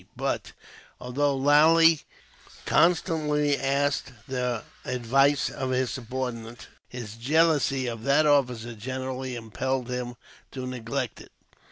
But although Lally constantly asked the advice of his subordinate, his jealousy of that officer generally impelled him to neglect it.